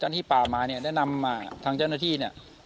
ที่ป่ามาเนี่ยได้นำมาทางเจ้าหน้าที่เนี่ย